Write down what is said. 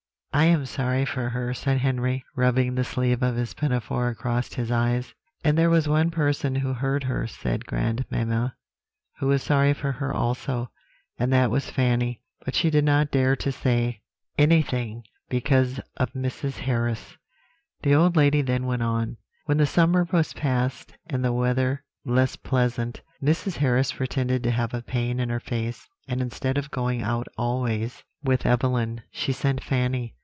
"I am sorry for her," said Henry, rubbing the sleeve of his pinafore across his eyes. "And there was one person who heard her," said grandmamma, "who was sorry for her also, and that was Fanny; but she did not dare to say anything because of Mrs. Harris." The old lady then went on: "When the summer was past, and the weather less pleasant, Mrs. Harris pretended to have a pain in her face, and instead of going out always with Evelyn, she sent Fanny.